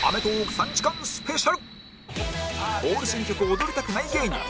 オール新曲踊りたくない芸人